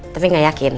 tapi gak yakin